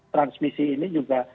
transmisi ini juga